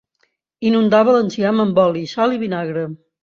Inundava l'enciam amb oli, sal i vinagre.